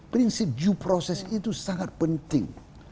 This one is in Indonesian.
prinsip due process itu sangat penting